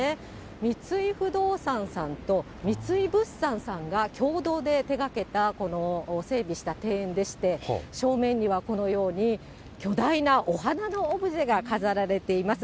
三井不動産さんと三井物産さんが共同で手掛けた、この整備した庭園でして、正面にはこのように、巨大なお花のオブジェが飾られています。